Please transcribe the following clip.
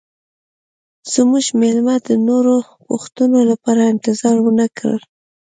زموږ میلمه د نورو پوښتنو لپاره انتظار ونه کړ